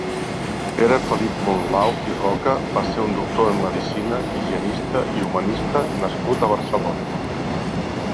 Pere Felip Monlau i Roca va ser un doctor en medicina, higienista i humanista nascut a Barcelona.